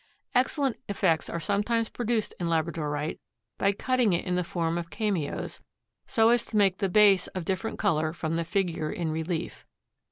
Excellent effects are sometimes produced in labradorite by cutting it in the form of cameos so as to make the base of different color from the figure in relief.